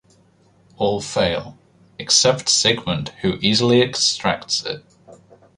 All fail except Sigmund who easily extracts it.